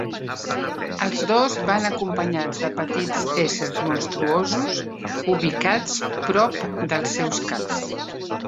Els dos van acompanyats de petits éssers monstruosos ubicats prop dels seus caps.